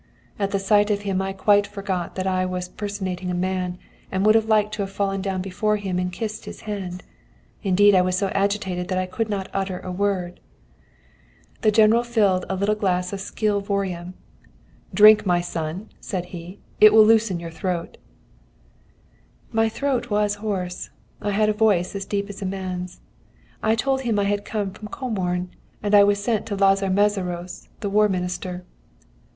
At the sight of him I quite forgot that I was personating a man, and would have liked to have fallen down before him and kissed his hand. Indeed, I was so agitated that I could not utter a word. "The General filled a little glass full of szilvorium. 'Drink, my son!' said he, 'it will loosen your throat.' [Footnote 83: A spirit made from plums.] "My throat was hoarse; I had a voice as deep as a man's. I told him I had come from Comorn, and I was sent to Lazar Mészáros, the War Minister.